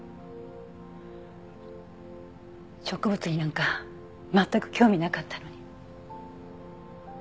植物になんか全く興味なかったのに。